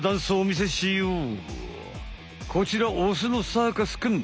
こちらオスのサーカスくん。